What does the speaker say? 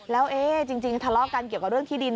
แล้วจริงทะเลาะกันเกี่ยวกับเรื่องที่ดิน